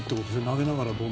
投げながら。